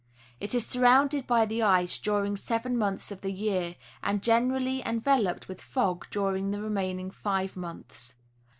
It is surrounded by the ice during seven months of the year, and generally envel oped with fog during the remaining five months.